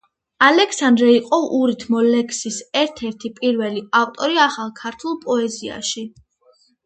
ალექსანდრე იყო ურითმო ლექსის ერთ-ერთი პირველი ავტორი ახალ ქართულ პოეზიაში.